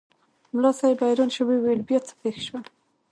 ملا صاحب حیران شو وویل بیا څه پېښ شول؟